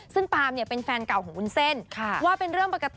ซึ่งปาล์มเป็นแฟนเก่าของวุ้นเส้น